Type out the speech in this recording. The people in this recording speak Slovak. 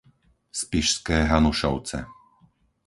Spišské Hanušovce